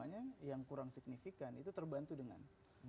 yang kurang signifikan itu terbantu dengan